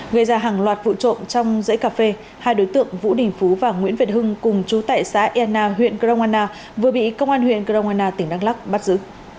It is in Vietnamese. gây ra hàng loạt vụ trộm trong giấy cà phê hai đối tượng vũ đình phú và nguyễn việt hưng cùng chú tại xã ena huyện grongwana vừa bị công an huyện grongwana tỉnh đăng lắc bắt giữ